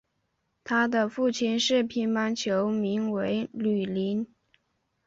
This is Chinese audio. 他的父亲是乒乓球名将吕林。